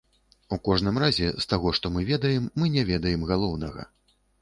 У кожным разе, з таго, што мы ведаем, мы не ведаем галоўнага.